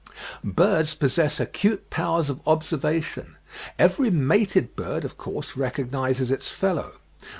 Birds possess acute powers of observation. Every mated bird, of course, recognises its fellow.